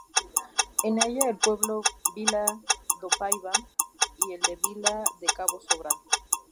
En ella el pueblo Vila do Paiva y el de Vila de Cabo Sobral.